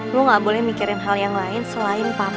lo gak boleh mikirin hal yang lain selain papa